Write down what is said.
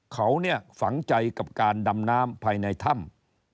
เขาเนี่ยฝังใจกับการดำน้ำภายในถ้ำ